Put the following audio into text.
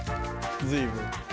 随分。